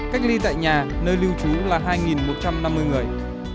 cách ly tại nhà nơi lưu trú là hai một trăm năm mươi người